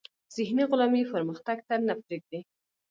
ذهني غلامي پرمختګ ته نه پریږدي.